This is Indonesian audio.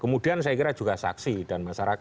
kemudian saya kira juga saksi dan masyarakat